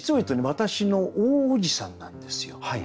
私の大叔父さんなんですよ。